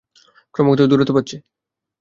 ক্রমাগত দূরত্ব বাড়ছে।